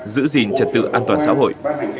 giữ gìn trật tự an toàn xã hội